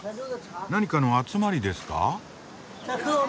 何かの集まりですか？